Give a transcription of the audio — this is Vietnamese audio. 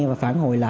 và phản hồi